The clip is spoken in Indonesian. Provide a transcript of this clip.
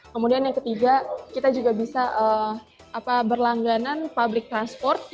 kemudian yang ketiga kita juga bisa berlangganan public transport